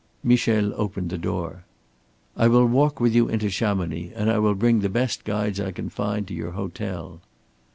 Michel opened the door. "I will walk with you into Chamonix, and I will bring the best guides I can find to your hotel."